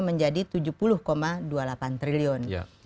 rp delapan tujuh puluh lima menjadi rp tujuh puluh dua puluh delapan triliun